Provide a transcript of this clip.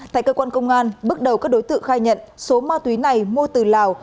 tại cơ quan công an bước đầu các đối tượng khai nhận số ma túy này mua từ lào